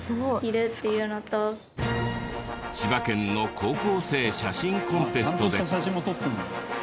千葉県の高校生写真コンテストで。